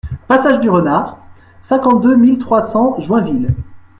Passage du Renard, cinquante-deux mille trois cents Joinville